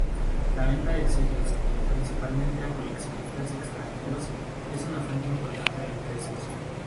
La venta de sellos, principalmente a coleccionistas extranjeros, es una fuente importante de ingresos.